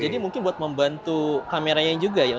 jadi mungkin buat membantu kameranya juga ya